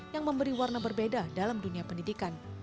yang memberi warna berbeda dalam dunia pendidikan